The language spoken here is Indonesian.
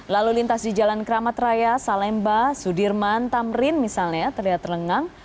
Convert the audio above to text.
lalu lintas di jalan keramat raya salemba sudirman tamrin misalnya terlihat lengang